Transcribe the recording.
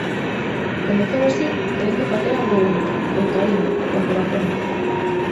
Comezou así, querendo facer algo único, con cariño, con corazón.